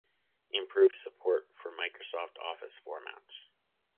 Improved support for Microsoft Office formats.